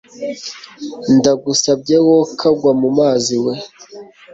ndagusabye wo kagwa mumazi we